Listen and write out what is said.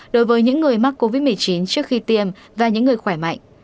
đối với những người mắc covid một mươi chín trước khi tiêm và những người khỏe mạnh